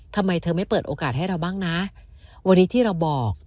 ทำไมเธอไม่เปิดโอกาสให้เราบ้างนะวันนี้ที่เราบอก